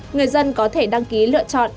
người dân có thể đăng ký lựa chọn